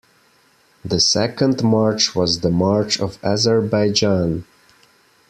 The second march was the March of Azerbaijan.